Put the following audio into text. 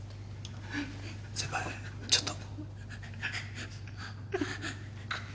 先輩ちょっと。